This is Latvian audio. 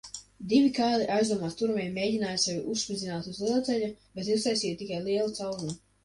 Divi kaili aizdomās turamie mēģināja sevi uzspridzināt uz lielceļa, bet uztaisīja tikai lielu caurumu.